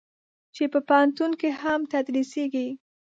چې په پوهنتون کې هم تدریسېږي.